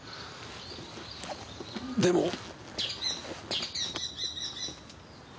でも。